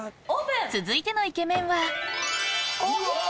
続いてのイケメンは。